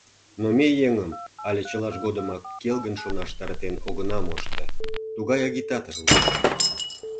Но ме еҥым але чылаж годымак келгын шонаш таратен огына мошто —тугай агитатор улына...